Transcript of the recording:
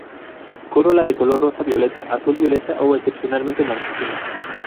Corola de color rosa violeta, azul violeta o excepcionalmente blanquecina.